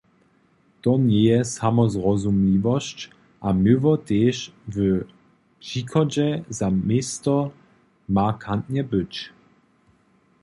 To njeje samozrozumliwosć a měło tež w přichodźe za město markantne być.